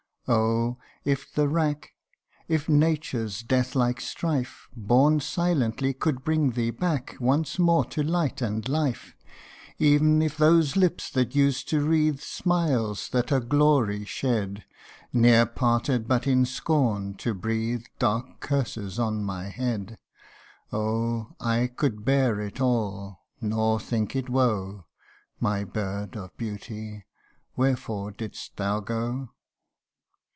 Oh ! if the rack If nature's death like strife, Borne silently, could bring thee back Once more to light, and life : Ev'n if those lips that used to wreathe Smiles that a glory shed, Ne'er parted but in scorn, to breathe Dark curses on my head : Oh ! I could bear it all, nor think it woe : My bird of beauty ! wherefore didst thou go